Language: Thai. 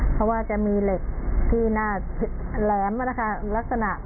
เพราะว่าจะมีเหล็กที่หน้าแหลมนะคะลักษณะ